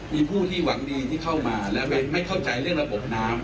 มีผู้ที่หวังดีที่เข้ามาแล้วไม่เข้าใจเรื่องระบบน้ำ